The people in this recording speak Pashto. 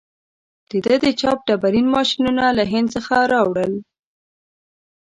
ده د چاپ ډبرین ماشینونه له هند څخه راوړل.